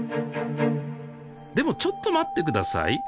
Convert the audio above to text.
でもちょっと待って下さい。